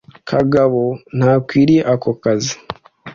kagabo ntakwiriye ako kazi